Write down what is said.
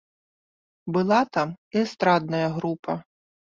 Была там і эстрадная група.